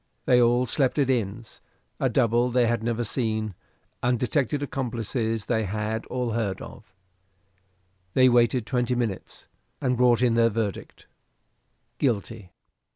They all slept at inns; a double they had never seen; undetected accomplices they had all heard of. They waited twenty minutes, and brought in their verdict Guilty.